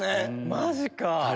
マジか。